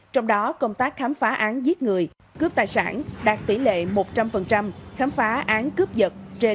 trong đó công tác khám phá án giết người cướp tài sản đạt tỷ lệ một trăm linh khám phá án cướp giật trên